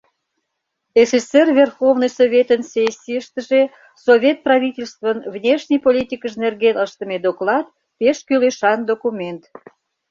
СССР Верховный Советын сессийыштыже «Совет правительствын внешний политикыж нерген» ыштыме доклад — пеш кӱлешан документ.